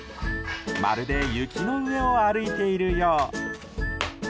まるで雪の上を歩いているよう。